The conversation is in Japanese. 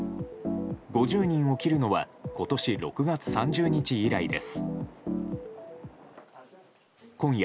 ５０人を切るのは今年６月３０日以来です。